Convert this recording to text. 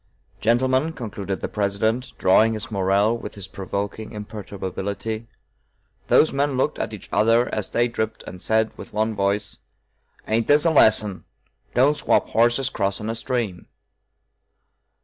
"Gentlemen," concluded the President, drawing his moral with his provoking imperturbability, "those men looked at each other, as they dripped, and said with the one voice: 'Ain't this a lesson? Don't swap horses crossing a stream!'"